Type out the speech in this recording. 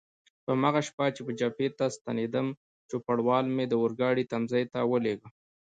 په هماغه شپه چې جبهې ته ستنېدم، چوپړوال مې د اورګاډي تمځای ته ولېږه.